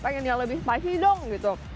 pengen yang lebih mifhy dong gitu